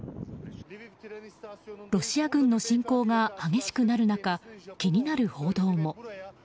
ロシア軍の侵攻が激しくなる中気になる報道も。